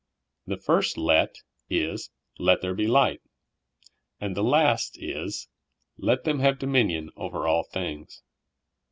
The first "let" is, " Let there be hght," and the last is, *' Let them have dominion over all things.